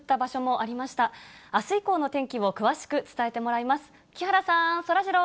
あす以降の天気を詳しく伝えてもらいます。